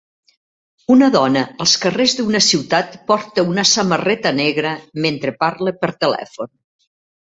Una dona als carrers d'una ciutat porta una samarreta negra mentre parla per telèfon.